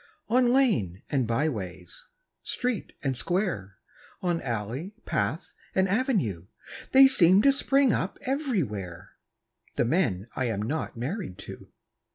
On lane and byways, street and square, On alley, path and avenue, They seem to spring up everywhere The men I am not married to.